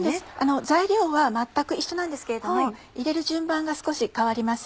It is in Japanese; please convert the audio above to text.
材料は全く一緒なんですけれども入れる順番が少し変わります。